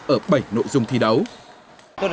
ở bảy nội dân